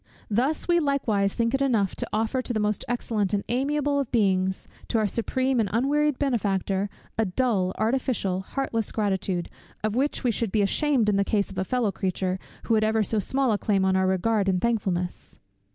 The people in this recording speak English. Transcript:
Thus we likewise think it enough to offer to the most excellent and amiable of Beings, to our supreme and unwearied Benefactor, a dull, artificial, heartless gratitude, of which we should be ashamed in the case of a fellow creature, who had ever so small a claim on our regard and thankfulness!